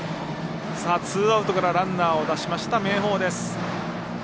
ツーアウトからランナーを出した明豊です。